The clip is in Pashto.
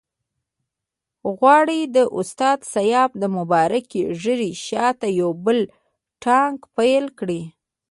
غواړي د استاد سیاف د مبارکې ږیرې شاته یو بل ناټک پیل کړي.